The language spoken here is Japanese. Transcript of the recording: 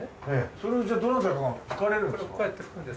それをじゃあどなたかが吹かれるんですか？